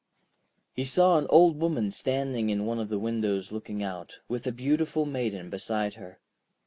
He saw an Old Woman standing in one of the windows looking out, with a beautiful Maiden beside her.